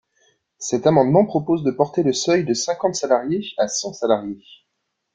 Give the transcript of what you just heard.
Cet amendement propose de porter le seuil de cinquante salariés à cent salariés.